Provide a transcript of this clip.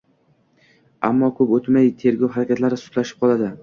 Ammo ko‘p o‘tmay tergov harakatlari sustlashib qoladi.